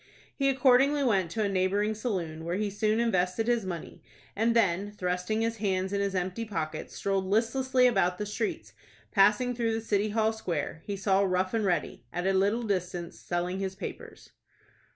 He accordingly went to a neighboring saloon, where he soon invested his money, and then, thrusting his hands in his empty pockets, strolled listlessly about the streets. Passing through the City Hall Square, he saw Rough and Ready, at a little distance, selling his papers.